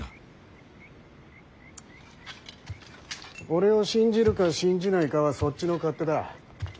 俺を信じるか信じないかはそっちの勝手だ。